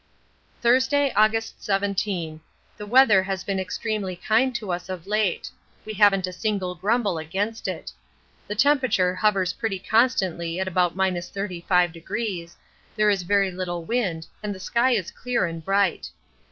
Thursday, August 17. The weather has been extremely kind to us of late; we haven't a single grumble against it. The temperature hovers pretty constantly at about 35°, there is very little wind and the sky is clear and bright.